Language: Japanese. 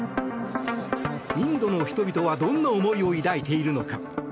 インドの人々はどんな思いを抱いているのか。